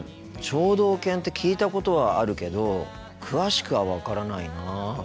聴導犬って聞いたことはあるけど詳しくは分からないな。